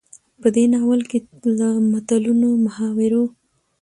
په دې ناول کې له متلونو، محاورو،